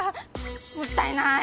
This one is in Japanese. もったいない！